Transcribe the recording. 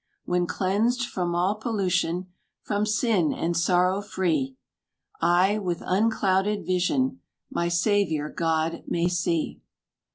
When cleansed from all pollution, From sin and sorrow free, I, with unclouded vision, My Saviour God may see.